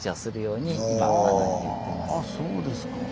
そうですか。